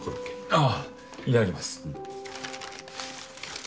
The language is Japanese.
あいただきます。